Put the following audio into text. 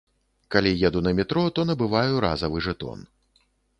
Калі еду на метро, то набываю разавы жэтон.